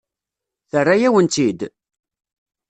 Terra-yawen-tt-id?